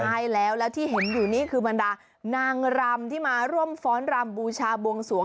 ใช่แล้วแล้วที่เห็นอยู่นี่คือบรรดานางรำที่มาร่วมฟ้อนรำบูชาบวงสวง